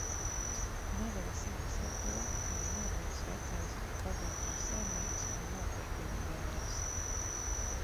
Novele sākas ar to, ka ir nomiris vecais, bagātais saimnieks un notiek viņa bēres.